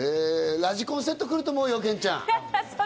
ラジコンセット、来ると思うよ、けんちゃん。